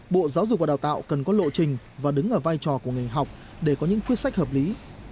bộ giáo dục và đào tạo cần có lộ trình và đứng ở vai trò của ngành học để có những quyết sách hợp lý